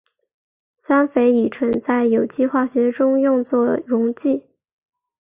三氟乙醇在有机化学中用作溶剂。